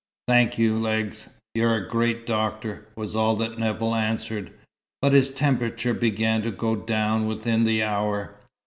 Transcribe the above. "Thank you, Legs. You're a great doctor," was all that Nevill answered. But his temperature began to go down within the hour.